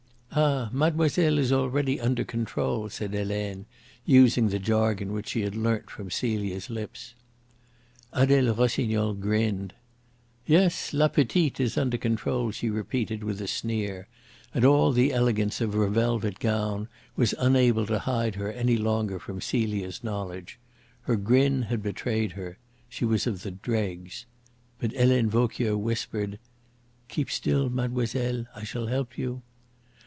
"Ah, mademoiselle is already under control," said Helene, using the jargon which she had learnt from Celia's lips. Adele Rossignol grinned. "Yes, LA PETITE is under control," she repeated, with a sneer; and all the elegance of her velvet gown was unable to hide her any longer from Celia's knowledge. Her grin had betrayed her. She was of the dregs. But Helene Vauquier whispered: "Keep still, mademoiselle. I shall help you."